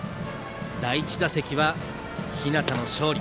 第１打席は日當の勝利。